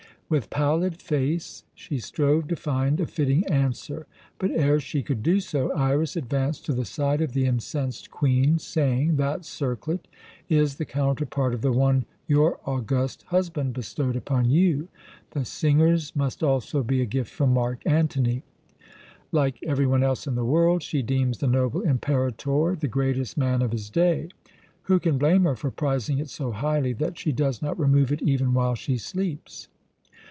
With pallid face she strove to find a fitting answer, but ere she could do so Iras advanced to the side of the incensed Queen, saying: "That circlet is the counterpart of the one your august husband bestowed upon you. The singer's must also be a gift from Mark Antony. Like every one else in the world, she deems the noble Imperator the greatest man of his day. Who can blame her for prizing it so highly that she does not remove it even while she sleeps?"